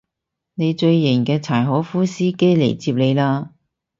你最型嘅柴可夫司機嚟接你喇